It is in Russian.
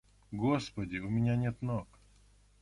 Господи, у меня нет ног.